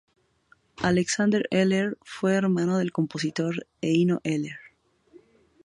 Aleksander Eller fue hermano del compositor Heino Eller.